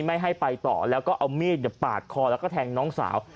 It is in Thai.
ไม่ให้ไปต่อแล้วก็เอามีดปาดคอแล้วก็แทงน้องสาว